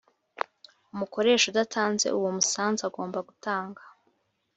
Umukoresha udatanze uwo musanzu agomba gutanga